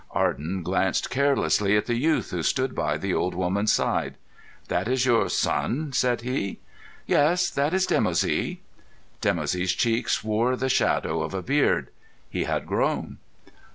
Arden glanced carelessly at the youth who stood by the old woman's side. "That is your son?" said he. "Yes. That is Dimoussi." Dimoussi's cheeks wore the shadow of a beard. He had grown.